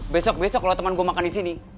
besok besok lo temen gue makan disini